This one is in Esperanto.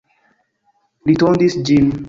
Li tondis ĝin.